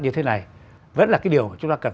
như thế này vẫn là cái điều mà chúng ta cần